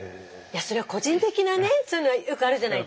それは個人的なねそういうのはよくあるじゃないですか。